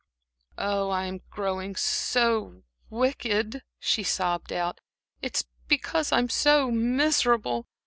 "Oh, I'm growing so wicked," she sobbed out. "It's because I'm so miserable.